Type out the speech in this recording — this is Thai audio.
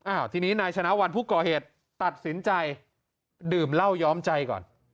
ทีนี้นายชนะวันผู้ก่อเหตุตัดสินใจดื่มเหล้าย้อมใจก่อน